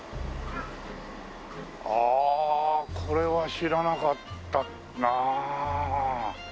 ああこれは知らなかったな。